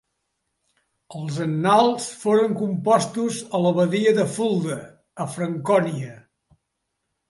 Els Annals foren compostos a l'abadia de Fulda, a Francònia.